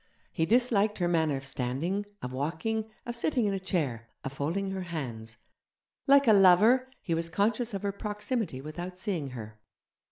He disliked her manner of standing, of walking, of sitting in a chair, of folding her hands. Like a lover, he was conscious of her proximity without seeing her.